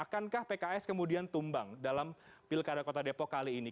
akankah pks kemudian tumbang dalam pilkada kota depok kali ini